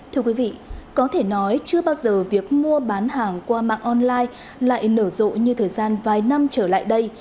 thưa quý vị có thể nói chưa bao giờ việc mua bán hàng qua mạng online lại nở rộ như thời gian vài năm trở lại đây